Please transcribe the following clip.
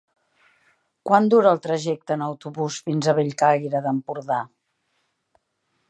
Quant dura el trajecte en autobús fins a Bellcaire d'Empordà?